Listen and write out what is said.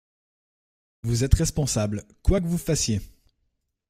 Vous êtes responsables, quoi que vous fassiez.